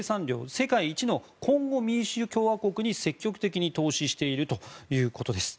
世界一のコンゴ民主共和国に積極的に投資しているということです。